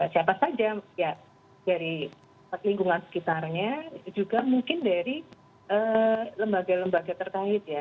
siapa saja ya dari lingkungan sekitarnya juga mungkin dari lembaga lembaga terkait ya